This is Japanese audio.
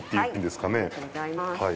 はい。